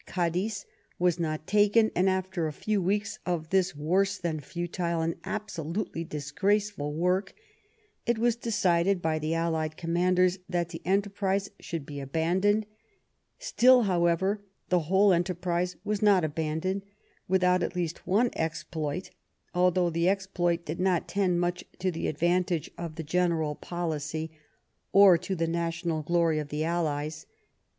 Cadiz was not taken, and after a few weeks of this worse than futile and abso lutely disgraceful work it was decided by the allied commanders that the enterprise should be abandoned. Still, however, the whole enterprise was not abandoned without at least one exploit, although the exploit did not tend much to the advantage of the general policy 123 THE REIGN OF QUEEN ANNE or to the national glory of the allies.